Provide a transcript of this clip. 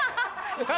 何？